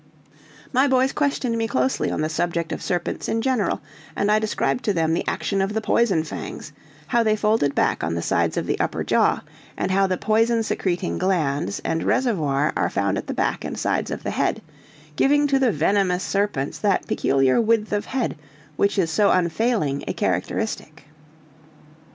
My boys questioned me closely on the subject of serpents in general; and I described to them the action of the poison fangs; how they folded back on the sides of the upper jaw; and how the poison secreting glands and reservoir are found at the back and sides of the head, giving to the venomous serpents that peculiar width of head which is so unfailing a characteristic.